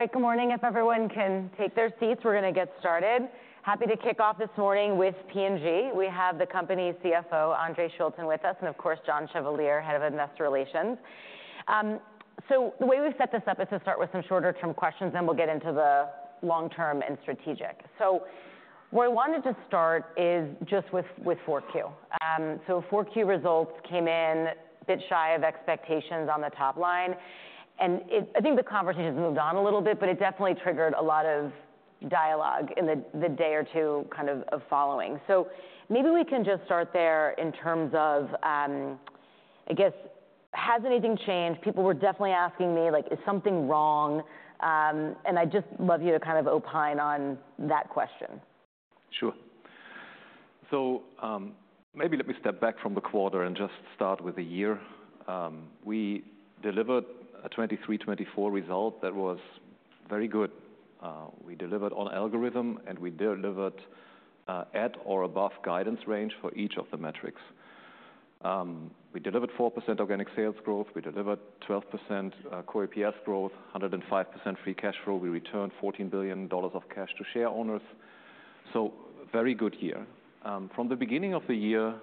Good morning. If everyone can take their seats, we're going to get started. Happy to kick off this morning with P&G. We have the company's CFO, Andre Schulten, with us, and of course, John Chevalier, Head of Investor Relations. So the way we've set this up is to start with some shorter-term questions, then we'll get into the long-term and strategic. So, where I wanted to start is just with Q4. So Q4 results came in a bit shy of expectations on the top line, and it, I think the conversation has moved on a little bit, but it definitely triggered a lot of dialogue in the day or two kind of following. So maybe we can just start there in terms of, I guess, has anything changed? People were definitely asking me, like, "Is something wrong?", and I'd just love you to kind of opine on that question. Sure. So, maybe let me step back from the quarter and just start with the year. We delivered a 2023-2024 result that was very good. We delivered on all our guidance, and we delivered at or above guidance range for each of the metrics. We delivered 4% organic sales growth. We delivered 12% core EPS growth, 105% free cash flow. We returned $14 billion of cash to shareowners, so very good year. From the beginning of the year,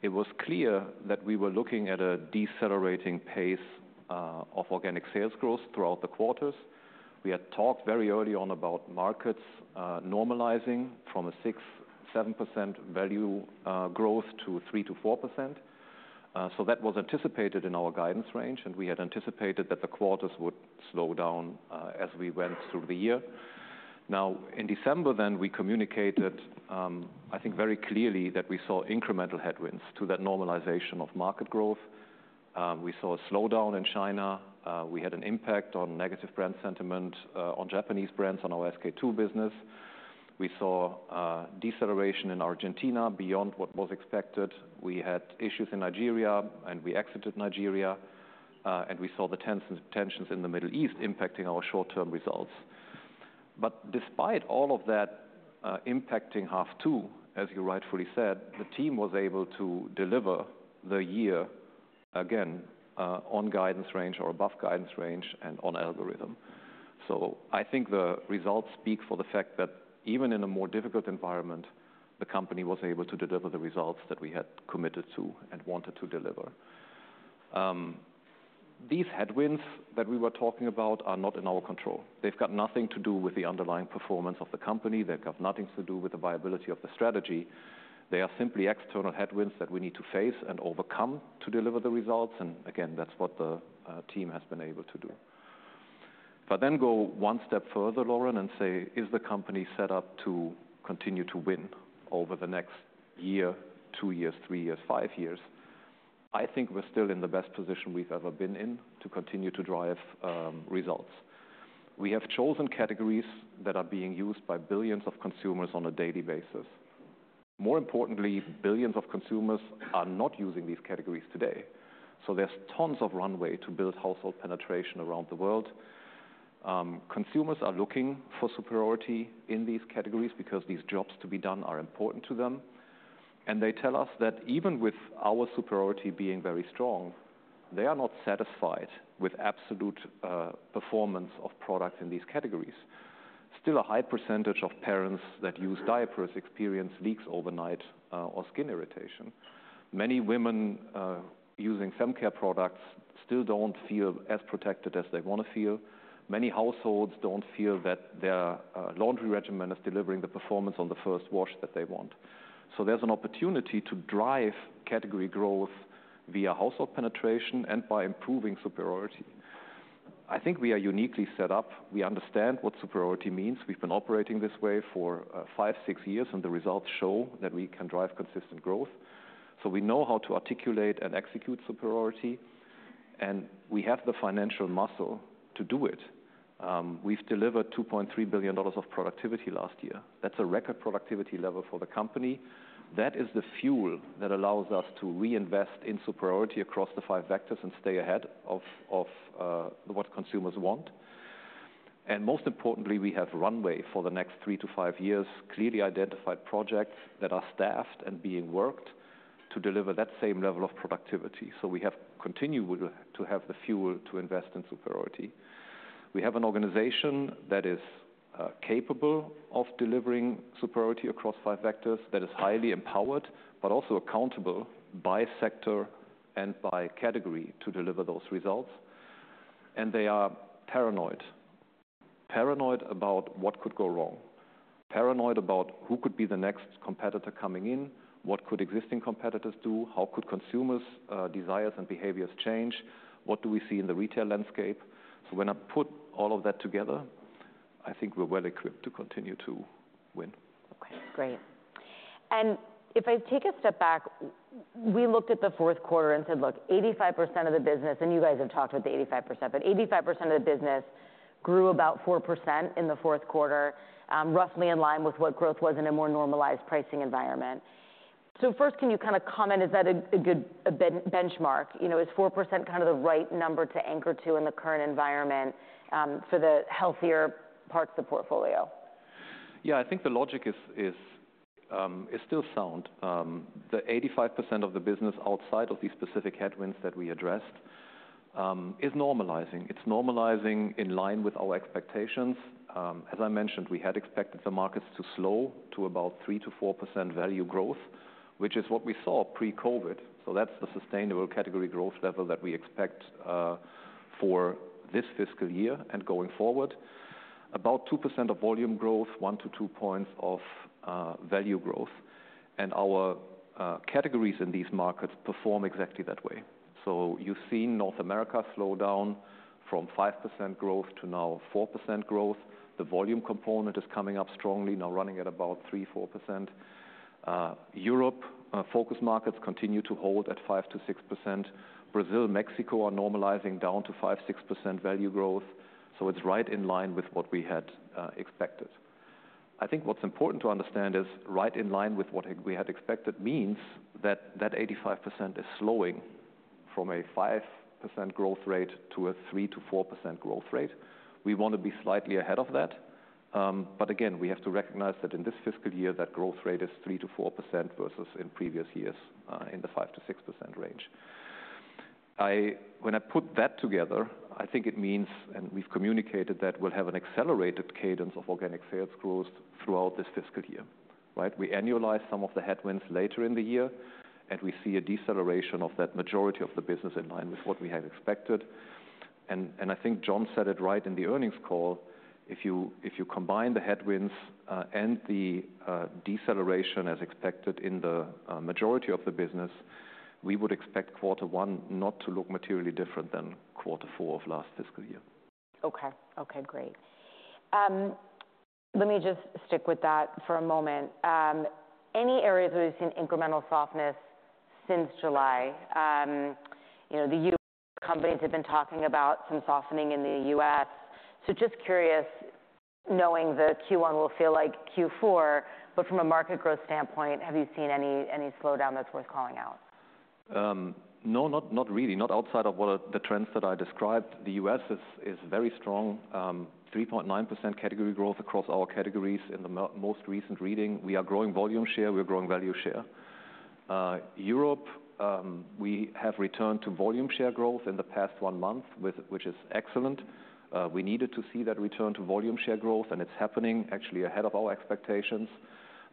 it was clear that we were looking at a decelerating pace of organic sales growth throughout the quarters. We had talked very early on about markets normalizing from a 6%-7% value growth to 3% to 4%. So that was anticipated in our guidance range, and we had anticipated that the quarters would slow down as we went through the year. Now, in December, then we communicated, I think very clearly, that we saw incremental headwinds to that normalization of market growth. We saw a slowdown in China. We had an impact on negative brand sentiment on Japanese brands on our SK-II business. We saw deceleration in Argentina beyond what was expected. We had issues in Nigeria, and we exited Nigeria, and we saw the tensions in the Middle East impacting our short-term results. But despite all of that impacting half two, as you rightfully said, the team was able to deliver the year again on guidance range or above guidance range and on algorithm. So I think the results speak for the fact that even in a more difficult environment, the company was able to deliver the results that we had committed to and wanted to deliver. These headwinds that we were talking about are not in our control. They've got nothing to do with the underlying performance of the company. They've got nothing to do with the viability of the strategy. They are simply external headwinds that we need to face and overcome to deliver the results, and again, that's what the team has been able to do. But then go one step further, Lauren, and say, "Is the company set up to continue to win over the next year, two years, three years, five years?" I think we're still in the best position we've ever been in to continue to drive results. We have chosen categories that are being used by billions of consumers on a daily basis. More importantly, billions of consumers are not using these categories today, so there's tons of runway to build household penetration around the world. Consumers are looking for superiority in these categories because these jobs to be done are important to them, and they tell us that even with our superiority being very strong, they are not satisfied with absolute performance of products in these categories. Still, a high percentage of parents that use diapers experience leaks overnight or skin irritation. Many women using fem care products still don't feel as protected as they want to feel. Many households don't feel that their laundry regimen is delivering the performance on the first wash that they want. So there's an opportunity to drive category growth via household penetration and by improving superiority. I think we are uniquely set up. We understand what superiority means. We've been operating this way for five, six years, and the results show that we can drive consistent growth. So we know how to articulate and execute superiority, and we have the financial muscle to do it. We've delivered $2.3 billion of productivity last year. That's a record productivity level for the company. That is the fuel that allows us to reinvest in superiority across the five vectors and stay ahead of what consumers want. And most importantly, we have runway for the next three to five years, clearly identified projects that are staffed and being worked to deliver that same level of productivity. So we have continued to have the fuel to invest in superiority. We have an organization that is capable of delivering superiority across five vectors, that is highly empowered, but also accountable by sector and by category to deliver those results, and they are paranoid Paranoid about what could go wrong, paranoid about who could be the next competitor coming in, what could existing competitors do, how could consumers desires and behaviors change, what do we see in the retail landscape? So when I put all of that together, I think we're well equipped to continue to win. Okay, great. And if I take a step back, we looked at the fourth quarter and said, look, 85% of the business, and you guys have talked about the 85%, but 85% of the business grew about 4% in the fourth quarter, roughly in line with what growth was in a more normalized pricing environment. So first, can you kind of comment, is that a good benchmark? You know, is 4% kind of the right number to anchor to in the current environment, for the healthier parts of the portfolio? Yeah, I think the logic is still sound. The 85% of the business outside of these specific headwinds that we addressed is normalizing. It's normalizing in line with our expectations. As I mentioned, we had expected the markets to slow to about 3%-4% value growth, which is what we saw pre-COVID. So that's the sustainable category growth level that we expect for this fiscal year and going forward. About 2% of volume growth, 1-2 points of value growth, and our categories in these markets perform exactly that way. So you've seen North America slow down from 5% growth to now 4% growth. The volume component is coming up strongly, now running at about 3%-4%. Europe, our focus markets continue to hold at 5%-6%. Brazil, Mexico are normalizing down to 5%-6% value growth, so it's right in line with what we had expected. I think what's important to understand is right in line with what we had expected means that that 85% is slowing from a 5% growth rate to a 3%-4% growth rate. We want to be slightly ahead of that, but again, we have to recognize that in this fiscal year, that growth rate is 3%-4% versus in previous years, in the 5%-6% range. I, when I put that together, I think it means, and we've communicated that, we'll have an accelerated cadence of organic sales growth throughout this fiscal year, right? We annualize some of the headwinds later in the year, and we see a deceleration of that majority of the business in line with what we had expected, and I think John said it right in the earnings call. If you combine the headwinds and the deceleration as expected in the majority of the business, we would expect quarter one not to look materially different than quarter four of last fiscal year. Okay. Okay, great. Let me just stick with that for a moment. Any areas where we've seen incremental softness since July? You know, the companies have been talking about some softening in the U.S. So just curious, knowing that Q1 will feel like Q4, but from a market growth standpoint, have you seen any slowdown that's worth calling out? No, not really, not outside of what the trends that I described. The US is very strong. 3.9% category growth across all categories in the most recent reading. We are growing volume share, we're growing value share. Europe, we have returned to volume share growth in the past one month, which is excellent. We needed to see that return to volume share growth, and it's happening, actually, ahead of our expectations.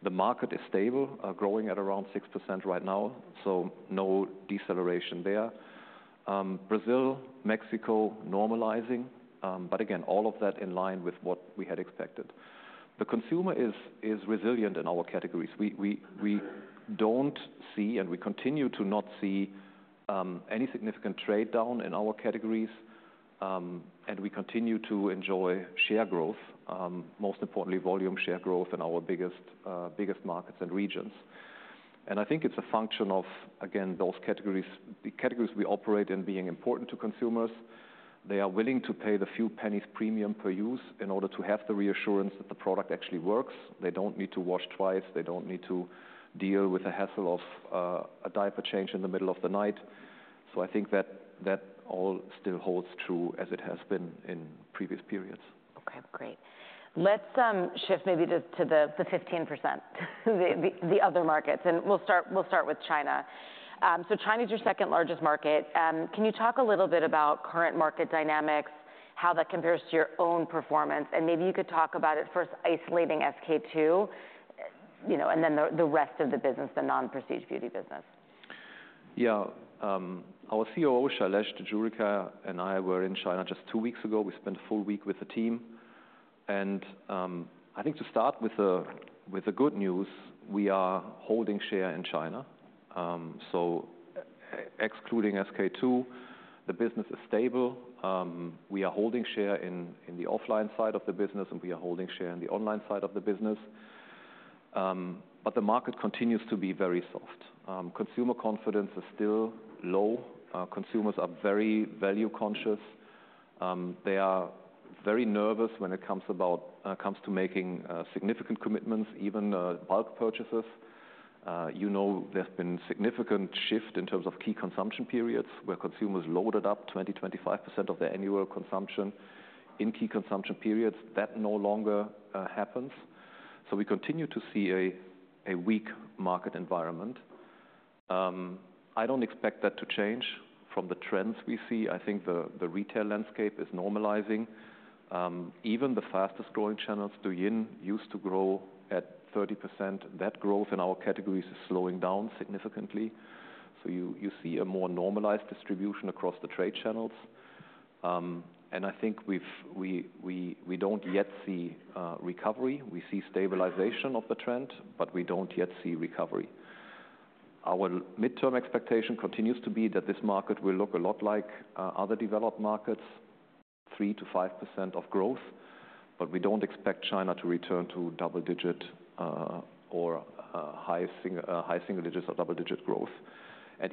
The market is stable, growing at around 6% right now, so no deceleration there. Brazil, Mexico, normalizing, but again, all of that in line with what we had expected. The consumer is resilient in our categories. We don't see, and we continue to not see, any significant trade-down in our categories, and we continue to enjoy share growth, most importantly, volume share growth in our biggest markets and regions. And I think it's a function of, again, those categories, the categories we operate in being important to consumers. They are willing to pay the few pennies premium per use in order to have the reassurance that the product actually works. They don't need to wash twice, they don't need to deal with the hassle of a diaper change in the middle of the night. So I think that all still holds true as it has been in previous periods. Okay, great. Let's shift maybe to the 15%, the other markets, and we'll start with China. So China's your second largest market. Can you talk a little bit about current market dynamics, how that compares to your own performance? And maybe you could talk about it first isolating SK-II, you know, and then the rest of the business, the non-prestige beauty business. Yeah. Our CEO, Shailesh Jejurikar, and I were in China just two weeks ago. We spent a full week with the team, and I think to start with the good news, we are holding share in China. So excluding SK-II, the business is stable. We are holding share in the offline side of the business, and we are holding share in the online side of the business. But the market continues to be very soft. Consumer confidence is still low. Consumers are very value conscious. They are very nervous when it comes to making significant commitments, even bulk purchases. You know, there's been significant shift in terms of key consumption periods, where consumers loaded up 20%-25% of their annual consumption in key consumption periods. That no longer happens. So we continue to see a weak market environment. I don't expect that to change from the trends we see. I think the retail landscape is normalizing. Even the fastest-growing channels, Douyin, used to grow at 30%. That growth in our categories is slowing down significantly, so you see a more normalized distribution across the trade channels. And I think we don't yet see recovery. We see stabilization of the trend, but we don't yet see recovery. Our midterm expectation continues to be that this market will look a lot like other developed markets, 3%-5% growth, but we don't expect China to return to double-digit or high single digits or double-digit growth.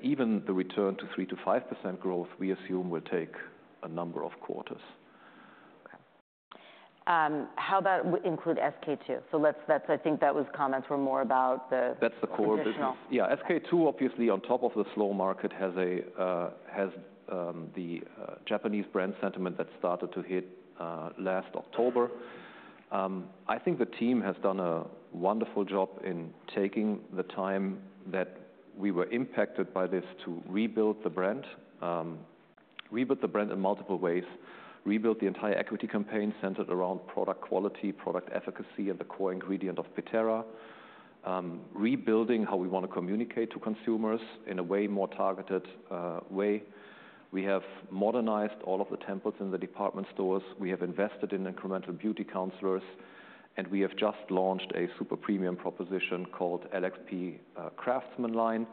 Even the return to 3%-5% growth, we assume, will take a number of quarters. Okay. How about include SK-II? So let's, that's, I think that was comments were more about the- That's the core business. Additional. Yeah, SK-II, obviously, on top of the slow market, has the Japanese brand sentiment that started to hit last October. I think the team has done a wonderful job in taking the time that we were impacted by this to rebuild the brand. Rebuild the brand in multiple ways. Rebuild the entire equity campaign centered around product quality, product efficacy, and the core ingredient of PITERA. Rebuilding how we want to communicate to consumers in a way more targeted way. We have modernized all of the templates in the department stores. We have invested in incremental beauty counselors, and we have just launched a super premium proposition called LXP Craftsman Line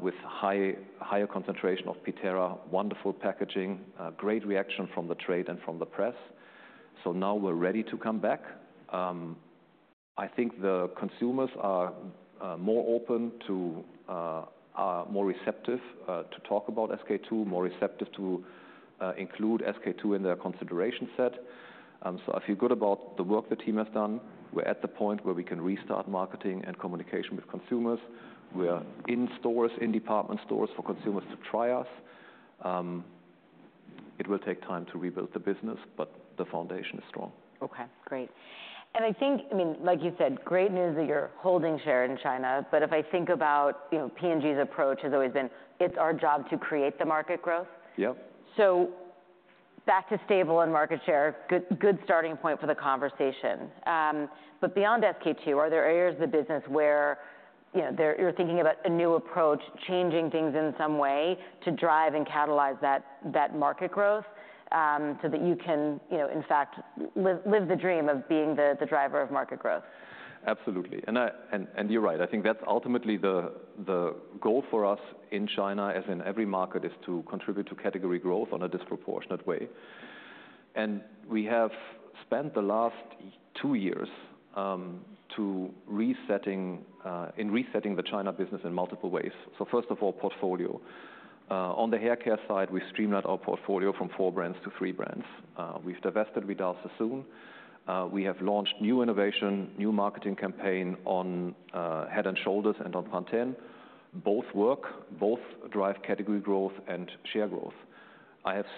with higher concentration of PITERA, wonderful packaging, great reaction from the trade and from the press. So now we're ready to come back. I think the consumers are more receptive to talk about SK-II, more receptive to include SK-II in their consideration set, so I feel good about the work the team has done. We're at the point where we can restart marketing and communication with consumers. We are in stores, in department stores for consumers to try us. It will take time to rebuild the business, but the foundation is strong. Okay, great. And I think, I mean, like you said, great news that you're holding share in China, but if I think about, you know, P&G's approach has always been, it's our job to create the market growth. Yep. So back to stable and market share, good, good starting point for the conversation. But beyond SK-II, are there areas of the business where, you know, you're thinking about a new approach, changing things in some way, to drive and catalyze that market growth, so that you can, you know, in fact, live the dream of being the driver of market growth? Absolutely, and you're right. I think that's ultimately the goal for us in China, as in every market, is to contribute to category growth on a disproportionate way. And we have spent the last two years to resetting in resetting the China business in multiple ways. So first of all, portfolio. On the Hair Care side, we streamlined our portfolio from four brands to three brands. We've divested Vidal Sassoon. We have launched new innovation, new marketing campaign on Head & Shoulders and on Pantene. Both work, both drive category growth and share growth.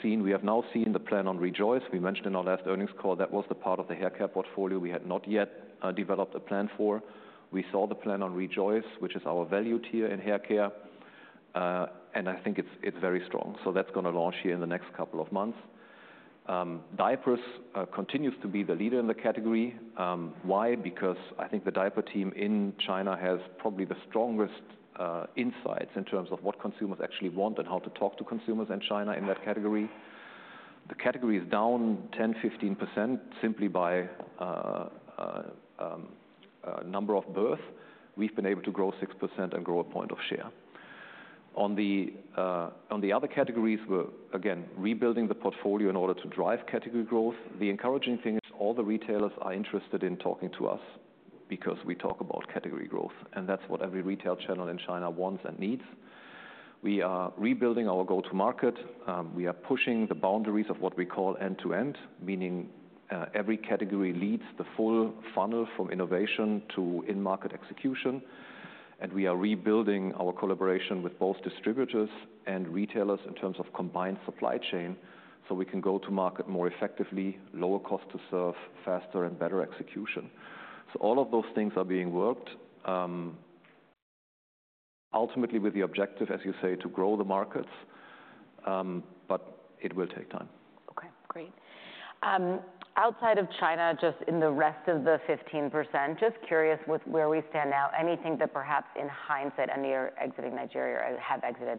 We have now seen the plan on Rejoice. We mentioned in our last earnings call, that was the part of the hair care portfolio we had not yet developed a plan for. We saw the plan on Rejoice, which is our value tier in haircare, and I think it's very strong. So that's gonna launch here in the next couple of months. Diapers continues to be the leader in the category. Why? Because I think the diaper team in China has probably the strongest insights in terms of what consumers actually want and how to talk to consumers in China in that category. The category is down 10%-15% simply by number of birth. We've been able to grow 6% and grow a point of share. On the other categories, we're again rebuilding the portfolio in order to drive category growth. The encouraging thing is all the retailers are interested in talking to us because we talk about category growth, and that's what every retail channel in China wants and needs. We are rebuilding our go-to market. We are pushing the boundaries of what we call end-to-end, meaning, every category leads the full funnel from innovation to in-market execution, and we are rebuilding our collaboration with both distributors and retailers in terms of combined supply chain, so we can go to market more effectively, lower cost to serve, faster and better execution, so all of those things are being worked, ultimately with the objective, as you say, to grow the markets, but it will take time. Okay, great. Outside of China, just in the rest of the 15%, just curious with where we stand now, anything that perhaps in hindsight, I mean, you're exiting Nigeria or have exited,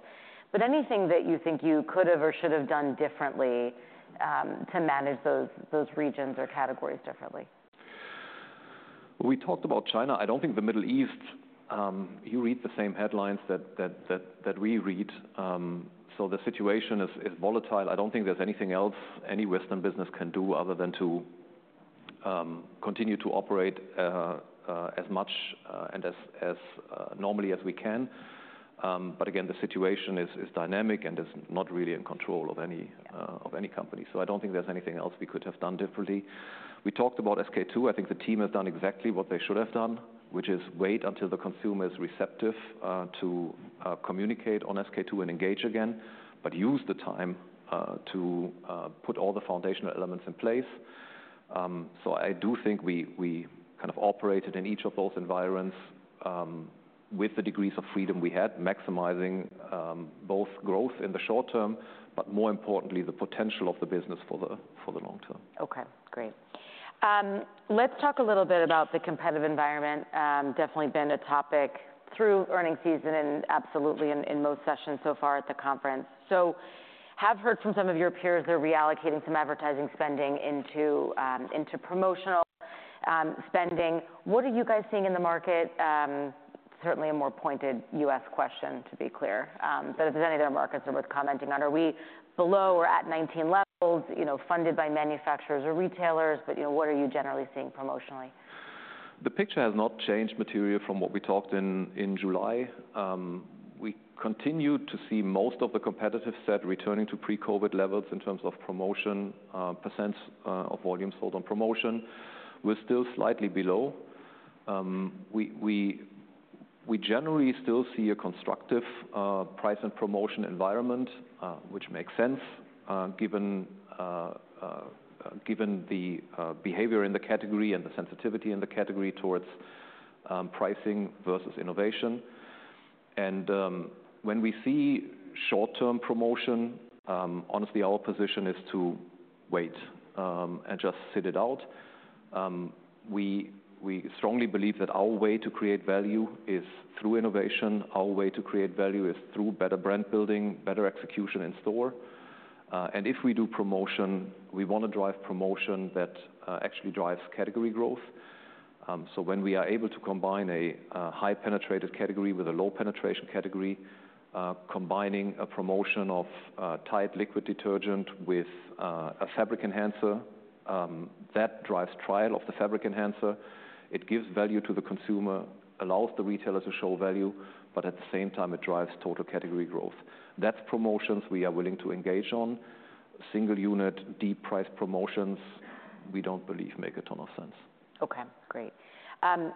but anything that you think you could have or should have done differently, to manage those regions or categories differently? We talked about China. I don't think the Middle East. You read the same headlines that we read, so the situation is volatile. I don't think there's anything else any Western business can do other than to continue to operate as much and as normally as we can. But again, the situation is dynamic and is not really in control of any of any company. So I don't think there's anything else we could have done differently. We talked about SK-II. I think the team has done exactly what they should have done, which is wait until the consumer is receptive to communicate on SK-II and engage again, but use the time to put all the foundational elements in place. So I do think we kind of operated in each of those environments with the degrees of freedom we had, maximizing both growth in the short term, but more importantly, the potential of the business for the long term. Okay, great. Let's talk a little bit about the competitive environment. Definitely been a topic through earnings season and absolutely in most sessions so far at the conference, so have heard from some of your peers, they're reallocating some advertising spending into promotional spending. What are you guys seeing in the market? Certainly a more pointed U.S. question, to be clear, but if there's any other markets are worth commenting on, are we below or at 19 levels, you know, funded by manufacturers or retailers, but you know, what are you generally seeing promotionally? The picture has not changed materially from what we talked in July. We continue to see most of the competitive set returning to pre-COVID levels in terms of promotion percentages of volumes held on promotion. We're still slightly below. We generally still see a constructive price and promotion environment, which makes sense, given the behavior in the category and the sensitivity in the category towards pricing versus innovation. When we see short-term promotion, honestly, our position is to wait and just sit it out. We strongly believe that our way to create value is through innovation. Our way to create value is through better brand building, better execution in store, and if we do promotion, we want to drive promotion that actually drives category growth. So when we are able to combine a high-penetrated category with a low-penetration category, combining a promotion of Tide liquid detergent with a fabric enhancer, that drives trial of the fabric enhancer. It gives value to the consumer, allows the retailer to show value, but at the same time, it drives total category growth. That's promotions we are willing to engage on. Single unit, deep price promotions, we don't believe make a ton of sense. Okay, great.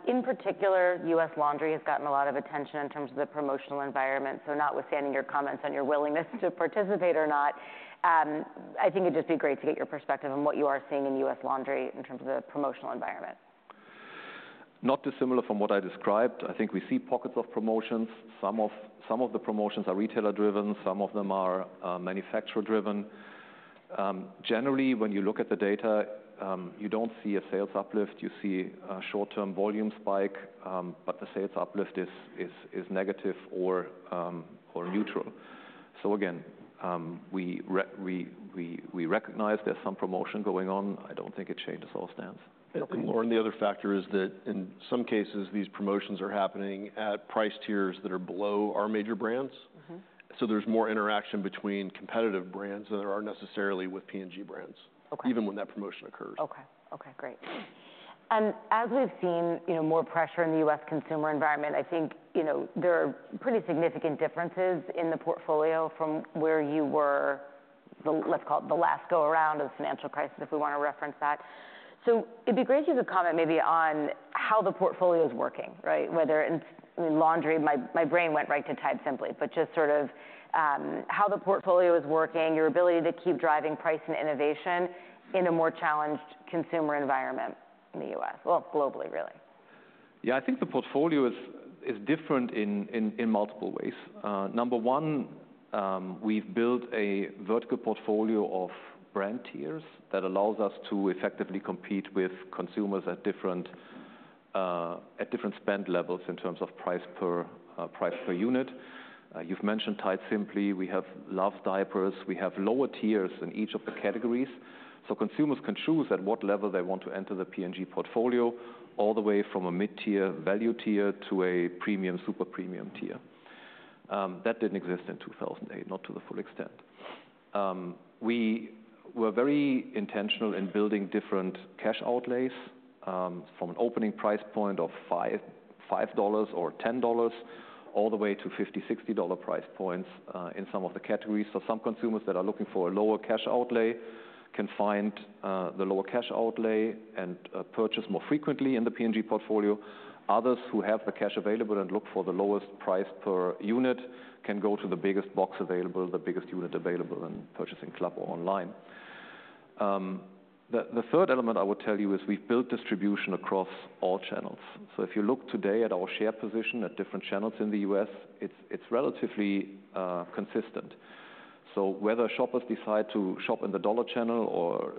In particular, U.S. Laundry has gotten a lot of attention in terms of the promotional environment. So notwithstanding your comments on your willingness to participate or not, I think it'd just be great to get your perspective on what you are seeing in U.S. Laundry in terms of the promotional environment. Not dissimilar from what I described. I think we see pockets of promotions. Some of the promotions are retailer-driven, some of them are manufacturer-driven. Generally, when you look at the data, you don't see a sales uplift, you see a short-term volume spike, but the sales uplift is negative or neutral. So again, we recognize there's some promotion going on. I don't think it changes our stance. Okay. The other factor is that in some cases, these promotions are happening at price tiers that are below our major brands. Mm-hmm. So there's more interaction between competitive brands than there are necessarily with P&G brands. Okay. Even when that promotion occurs. Okay. Okay, great. As we've seen, you know, more pressure in the U.S. consumer environment, I think, you know, there are pretty significant differences in the portfolio from where you were, the- let's call it, the last go around of the financial crisis, if we want to reference that. So it'd be great if you could comment, maybe on how the portfolio is working, right? Whether in laundry, my, my brain went right to Tide Simply, but just sort of, how the portfolio is working, your ability to keep driving price and innovation in a more challenged consumer environment in the U.S., well, globally, really. Yeah, I think the portfolio is different in multiple ways. Number one, we've built a vertical portfolio of brand tiers that allows us to effectively compete with consumers at different spend levels in terms of price per unit. You've mentioned Tide Simply, we have Luvs Diapers, we have lower tiers in each of the categories. So consumers can choose at what level they want to enter the P&G portfolio, all the way from a mid-tier value tier to a premium, super premium tier. That didn't exist in 2008, not to the full extent. We were very intentional in building different cash outlays, from an opening price point of $5 or $10, all the way to $50-$60 price points in some of the categories. So some consumers that are looking for a lower cash outlay can find the lower cash outlay and purchase more frequently in the P&G portfolio. Others who have the cash available and look for the lowest price per unit can go to the biggest box available, the biggest unit available, in purchasing club or online. The third element I would tell you is we've built distribution across all channels. So if you look today at our share position at different channels in the U.S., it's relatively consistent. So whether shoppers decide to shop in the dollar channel or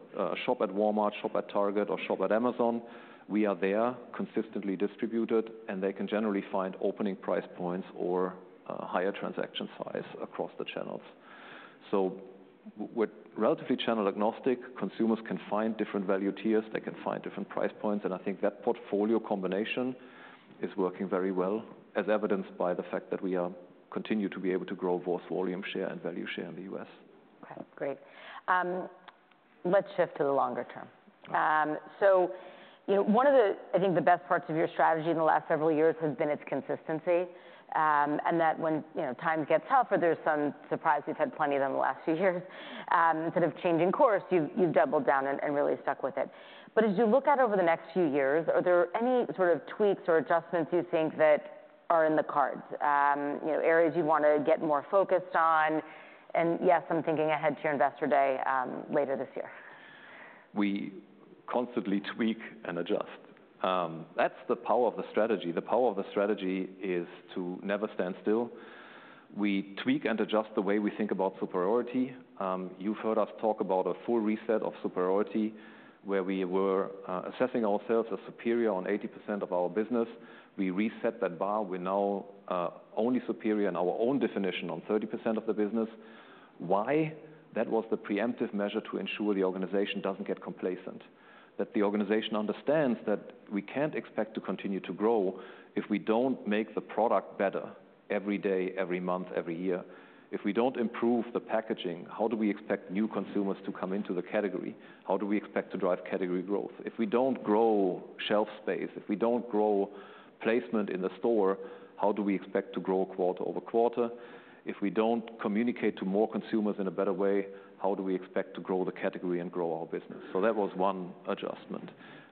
shop at Walmart, shop at Target, or shop at Amazon, we are there, consistently distributed, and they can generally find opening price points or higher transaction size across the channels. So we're relatively channel-agnostic. Consumers can find different value tiers, they can find different price points, and I think that portfolio combination is working very well, as evidenced by the fact that we continue to be able to grow both volume share and value share in the U.S. Okay, great. Let's shift to the longer term. All right. So, you know, one of the, I think, the best parts of your strategy in the last several years has been its consistency, and that when, you know, times get tough or there's some surprise, we've had plenty of them in the last few years, instead of changing course, you've doubled down and really stuck with it. But as you look out over the next few years, are there any sort of tweaks or adjustments you think that are in the cards? You know, areas you want to get more focused on, and yes, I'm thinking ahead to your Investor Day, later this year. We constantly tweak and adjust. That's the power of the strategy. The power of the strategy is to never stand still. We tweak and adjust the way we think about superiority. You've heard us talk about a full reset of superiority, where we were assessing ourselves as superior on 80% of our business. We reset that bar. We're now only superior in our own definition on 30% of the business. Why? That was the preemptive measure to ensure the organization doesn't get complacent, that the organization understands that we can't expect to continue to grow if we don't make the product better every day, every month, every year. If we don't improve the packaging, how do we expect new consumers to come into the category? How do we expect to drive category growth? If we don't grow shelf space, if we don't grow placement in the store, how do we expect to grow quarter-over-quarter? If we don't communicate to more consumers in a better way, how do we expect to grow the category and grow our business? So that was one adjustment.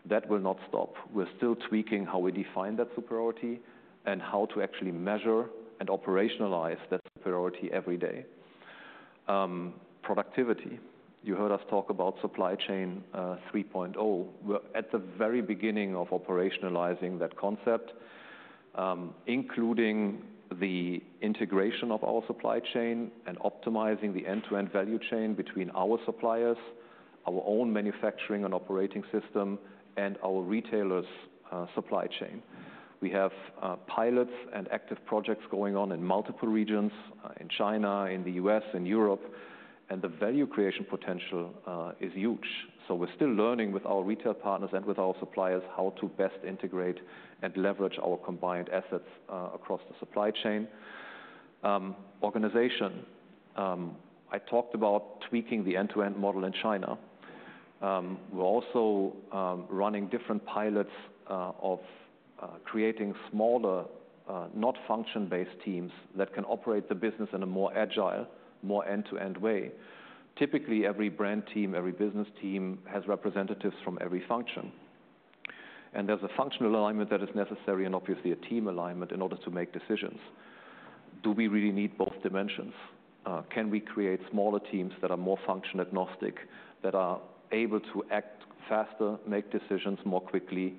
That will not stop. We're still tweaking how we define that superiority and how to actually measure and operationalize that superiority every day. Productivity. You heard us talk about Supply Chain 3.0. We're at the very beginning of operationalizing that concept, including the integration of our supply chain and optimizing the end-to-end value chain between our suppliers, our own manufacturing and operating system, and our retailers' supply chain. We have pilots and active projects going on in multiple regions in China, in the U.S., in Europe, and the value creation potential is huge. So we're still learning with our retail partners and with our suppliers, how to best integrate and leverage our combined assets across the supply chain. Organization, I talked about tweaking the end-to-end model in China. We're also running different pilots of creating smaller, not function-based teams that can operate the business in a more agile, more end-to-end way. Typically, every brand team, every business team, has representatives from every function, and there's a functional alignment that is necessary and obviously a team alignment in order to make decisions. Do we really need both dimensions? Can we create smaller teams that are more function-agnostic, that are able to act faster, make decisions more quickly,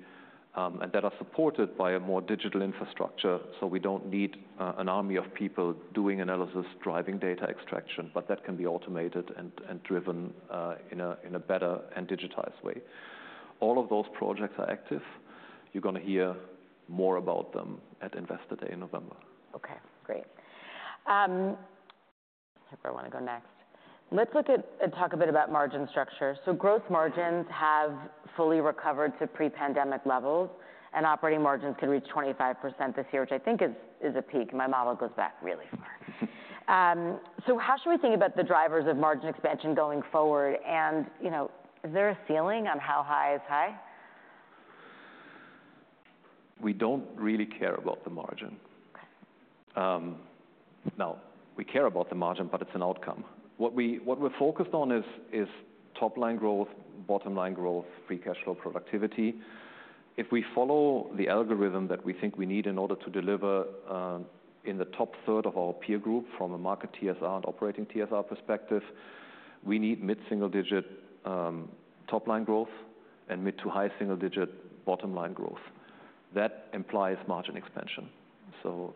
and that are supported by a more digital infrastructure, so we don't need an army of people doing analysis, driving data extraction, but that can be automated and driven in a better and digitized way? All of those projects are active. You're gonna hear more about them at Investor Day in November. Okay, great. Where do I wanna go next? Let's look at and talk a bit about margin structure. So growth margins have fully recovered to pre-pandemic levels, and operating margins could reach 25% this year, which I think is a peak. My model goes back really far. So how should we think about the drivers of margin expansion going forward? And, you know, is there a ceiling on how high is high? We don't really care about the margin. Okay. No, we care about the margin, but it's an outcome. What we're focused on is top line growth, bottom line growth, free cash flow, productivity. If we follow the algorithm that we think we need in order to deliver in the top third of our peer group from a market TSR and operating TSR perspective, we need mid-single digit top line growth and mid to high single digit bottom line growth. That implies margin expansion, so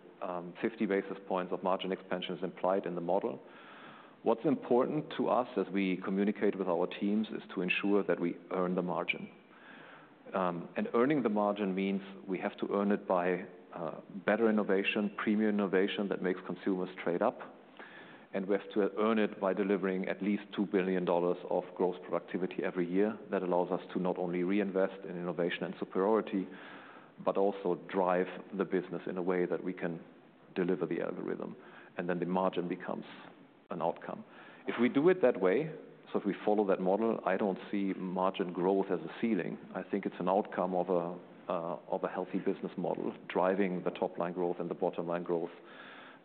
50 basis points of margin expansion is implied in the model. What's important to us as we communicate with our teams is to ensure that we earn the margin. And earning the margin means we have to earn it by better innovation, premium innovation that makes consumers trade up, and we have to earn it by delivering at least $2 billion of gross productivity every year. That allows us to not only reinvest in innovation and superiority, but also drive the business in a way that we can deliver the algorithm, and then the margin becomes an outcome. If we do it that way, so if we follow that model, I don't see margin growth as a ceiling. I think it's an outcome of a healthy business model, driving the top line growth and the bottom line growth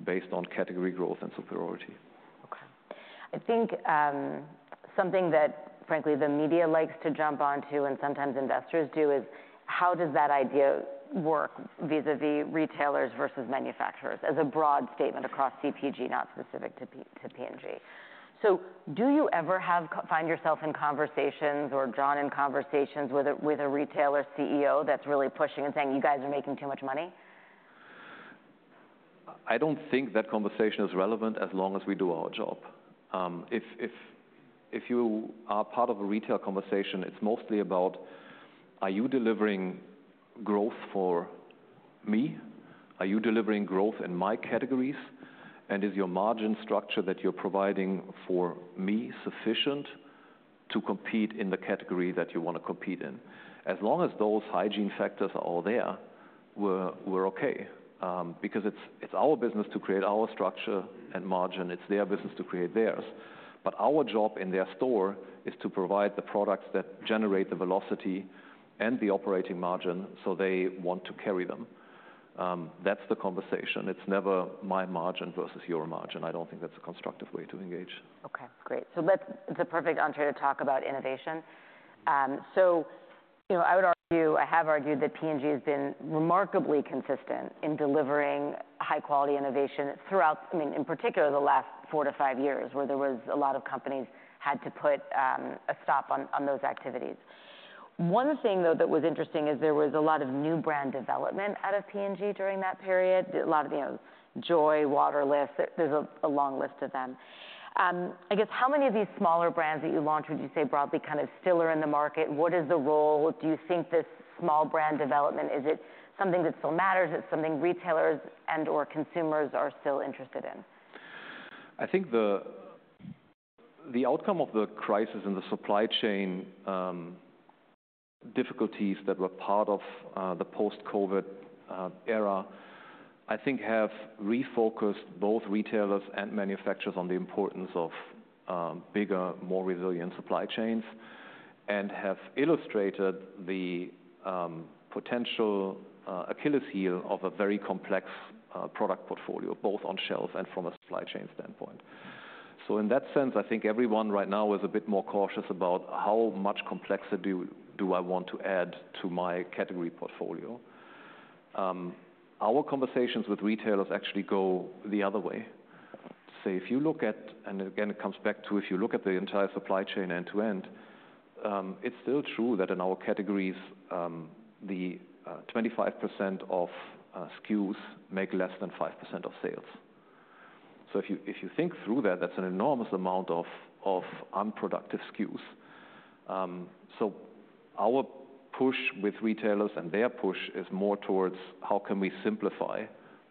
based on category growth and superiority. Okay. I think something that frankly, the media likes to jump onto, and sometimes investors do, is how does that idea work vis-a-vis retailers versus manufacturers, as a broad statement across CPG, not specific to P&G? So do you ever find yourself in conversations or drawn in conversations with a retailer CEO that's really pushing and saying, "You guys are making too much money? I don't think that conversation is relevant as long as we do our job. If you are part of a retail conversation, it's mostly about: Are you delivering growth for me? Are you delivering growth in my categories? And is your margin structure that you're providing for me sufficient to compete in the category that you wanna compete in? As long as those hygiene factors are all there, we're okay, because it's our business to create our structure and margin. It's their business to create theirs, but our job in their store is to provide the products that generate the velocity and the operating margin, so they want to carry them. That's the conversation. It's never my margin versus your margin. I don't think that's a constructive way to engage. Okay, great, so that's the perfect Andre to talk about innovation. So, you know, I would argue, I have argued that P&G has been remarkably consistent in delivering high-quality innovation throughout, I mean, in particular, the last four to five years, where there was a lot of companies had to put a stop on those activities. One thing, though, that was interesting, is there was a lot of new brand development out of P&G during that period. A lot of, you know, Joy, Waterless, there's a long list of them. I guess, how many of these smaller brands that you launched, would you say, broadly, kind of still are in the market? What is the role? Do you think this small brand development, is it something that still matters? Is it something retailers and/or consumers are still interested in? I think the outcome of the crisis and the supply chain difficulties that were part of the post-COVID era, I think have refocused both retailers and manufacturers on the importance of bigger, more resilient supply chains, and have illustrated the potential Achilles' heel of a very complex product portfolio, both on shelves and from a supply chain standpoint. So in that sense, I think everyone right now is a bit more cautious about how much complexity do I want to add to my category portfolio? Our conversations with retailers actually go the other way. Say, if you look at, and again, it comes back to if you look at the entire supply chain end-to-end, it's still true that in our categories, the 25% of SKUs make less than 5% of sales. So if you think through that, that's an enormous amount of unproductive SKUs. Our push with retailers and their push is more towards how can we simplify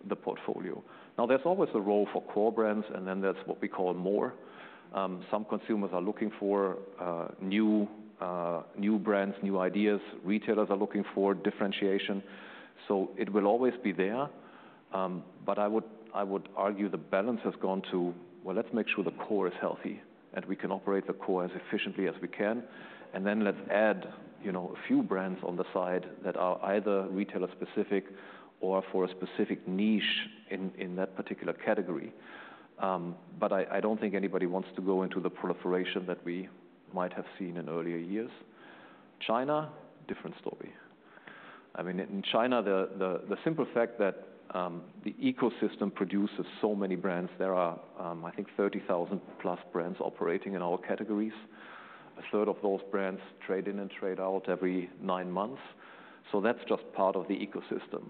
the portfolio? Now, there's always a role for core brands, and then that's what we call more. Some consumers are looking for new brands, new ideas. Retailers are looking for differentiation, so it will always be there. But I would argue the balance has gone to, well, let's make sure the core is healthy, and we can operate the core as efficiently as we can, and then let's add, you know, a few brands on the side that are either retailer-specific or for a specific niche in that particular category. But I don't think anybody wants to go into the proliferation that we might have seen in earlier years. China, different story. I mean, in China, the simple fact that the ecosystem produces so many brands, there are, I think 30,000+brands operating in all categories. 1/3 of those brands trade in and trade out every nine months, so that's just part of the ecosystem.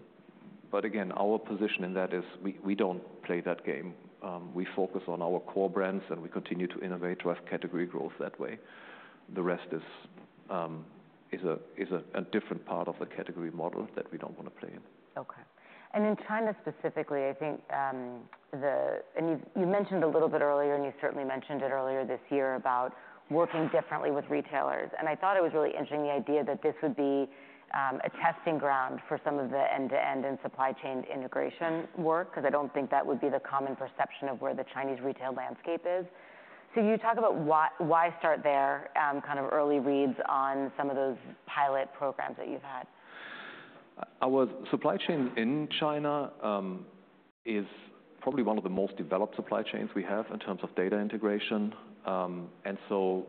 But again, our position in that is we don't play that game. We focus on our core brands, and we continue to innovate to have category growth that way. The rest is a different part of the category model that we don't wanna play in. Okay. And in China specifically, I think, And you mentioned a little bit earlier, and you certainly mentioned it earlier this year, about working differently with retailers. And I thought it was really interesting, the idea that this would be, a testing ground for some of the end-to-end and supply chain integration work, 'cause I don't think that would be the common perception of where the Chinese retail landscape is. So, can you talk about why start there? Kind of early reads on some of those pilot programs that you've had. Our supply chain in China is probably one of the most developed supply chains we have in terms of data integration, and so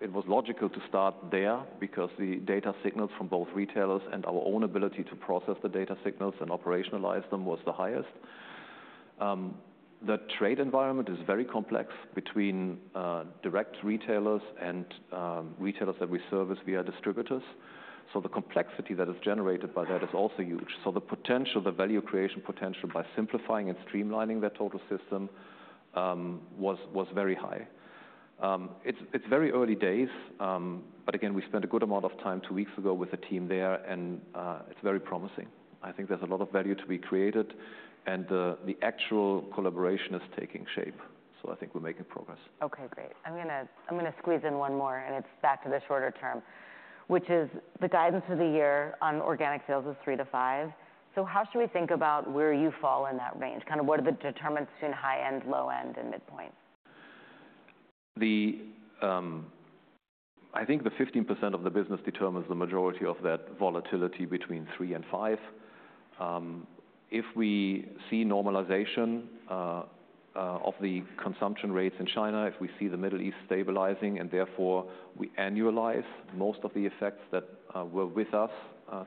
it was logical to start there because the data signals from both retailers and our own ability to process the data signals and operationalize them was the highest. The trade environment is very complex between direct retailers and retailers that we service via distributors, so the complexity that is generated by that is also huge. So the potential, the value creation potential by simplifying and streamlining their total system, was very high. It's very early days, but again, we spent a good amount of time two weeks ago with a team there, and it's very promising. I think there's a lot of value to be created, and the actual collaboration is taking shape, so I think we're making progress. Okay, great. I'm gonna squeeze in one more, and it's back to the shorter term, which is the guidance for the year on organic sales is 3%-5%. So how should we think about where you fall in that range? Kind of, what are the determinants in high end, low end, and midpoint? I think the 15% of the business determines the majority of that volatility between three and five. If we see normalization of the consumption rates in China, if we see the Middle East stabilizing, and therefore, we annualize most of the effects that were with us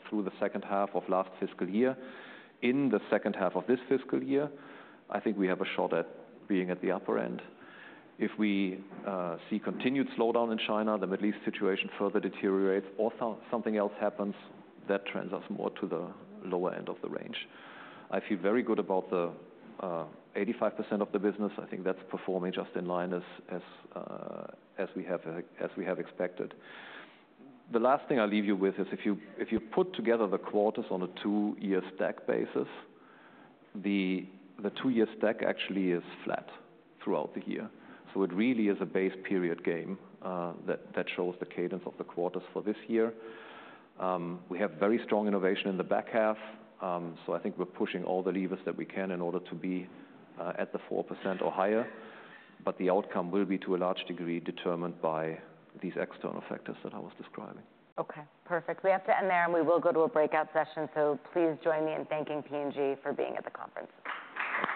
through the second half of last fiscal year. In the second half of this fiscal year, I think we have a shot at being at the upper end. If we see continued slowdown in China, the Middle East situation further deteriorates or something else happens, that trends us more to the lower end of the range. I feel very good about the 85% of the business. I think that's performing just in line as we have expected. The last thing I'll leave you with is if you put together the quarters on a two-year stack basis, the two-year stack actually is flat throughout the year, so it really is a base period game, that shows the cadence of the quarters for this year. We have very strong innovation in the back half, so I think we're pushing all the levers that we can in order to be at the 4% or higher, but the outcome will be, to a large degree, determined by these external factors that I was describing. Okay, perfect. We have to end there, and we will go to a breakout session. So please join me in thanking P&G for being at the conference.